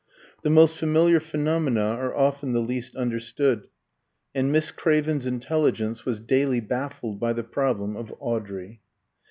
The most familiar phenomena are often the least understood, and Miss Craven's intelligence was daily baffled by the problem of Audrey.